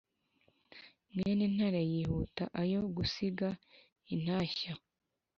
Mwene Ntare yihuta ayo gusiga intashya